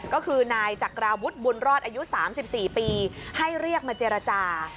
ก็คือนายจักราวุฒิบุญรอดอายุ๓๔ปีให้เรียกมาเจรจา